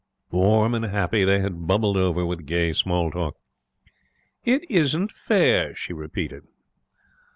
Warm and happy, they had bubbled over with gay small talk. 'It isn't fair,' she repeated.